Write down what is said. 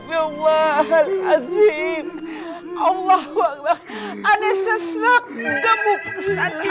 astagfirullahaladzim allah wakil aneh sesek gemuk sana jangan gencar anak